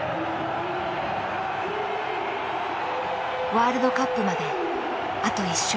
ワールドカップまであと１勝。